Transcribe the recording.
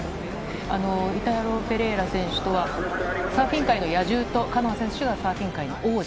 イタロ・フェレイラ選手とは、サーフィン界の野獣と、カノア選手がサーフィン界の王子。